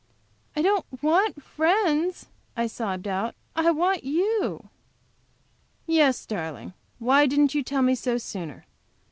"I don't want friends," I sobbed out. "I want you." "Yes, darling; why didn't you tell me so sooner?